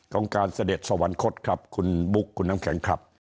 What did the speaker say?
ของการเสด็จสวรรคตครับคุณบุ๊คคุณน้ำแข็งครับ